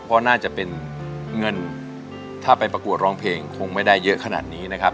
เพราะน่าจะเป็นเงินถ้าไปประกวดร้องเพลงคงไม่ได้เยอะขนาดนี้นะครับ